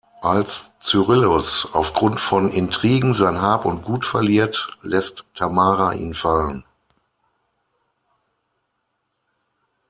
Als Cyrillus aufgrund von Intrigen sein Hab und Gut verliert, lässt Tamara ihn fallen.